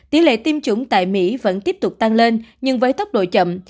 tỷ lệ tiêm chủng tại mỹ vẫn tiếp tục tăng lên nhưng với tốc độ chậm